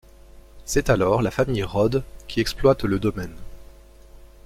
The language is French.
C'est alors la famille Rodde qui exploite le domaine.